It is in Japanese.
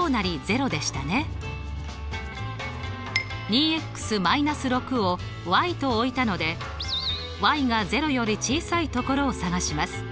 ２−６をと置いたのでが０より小さい所を探します。